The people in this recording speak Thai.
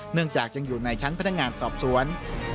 เนื่องจากยังอยู่ในชั้นพนักงานสอบสวน